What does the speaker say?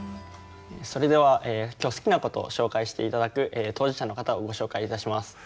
それでは今日好きなことを紹介して頂く当事者の方をご紹介いたします。